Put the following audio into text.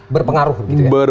berpengaruh begitu ya